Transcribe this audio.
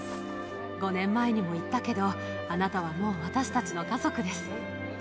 ５年前にも言ったけど、あなたはもう私たちの家族です。